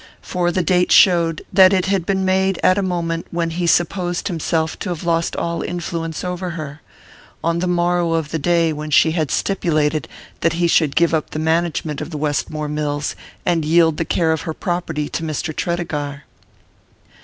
For the date showed that it had been made at a moment when he supposed himself to have lost all influence over her on the morrow of the day when she had stipulated that he should give up the management of the Westmore mills, and yield the care of her property to Mr. Tredegar.